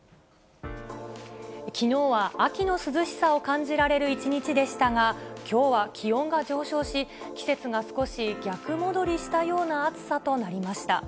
きのうは秋の涼しさを感じられる一日でしたが、きょうは気温が上昇し、季節が少し逆戻りしたような暑さとなりました。